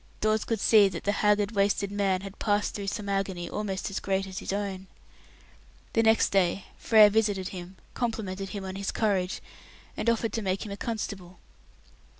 Dawes could see that the haggard, wasted man had passed through some agony almost as great as his own. The next day Frere visited him, complimented him on his courage, and offered to make him a constable.